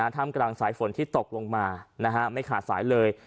ท่ามกลางสายฝนที่ตกลงมาไม่ขาดสายเลย